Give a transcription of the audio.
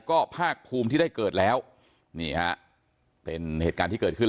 ก็ภาคภูมิที่ได้เกิดแล้วนี่ฮะเป็นเหตุการณ์ที่เกิดขึ้น